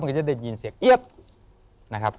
ก็จะได้ยินเสียงเอี๊ยดนะครับ